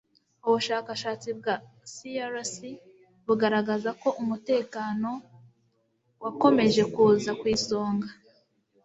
Ubushakashatsi bwa CRC bugaragaza ko umutekano wakomeje kuza ku isonga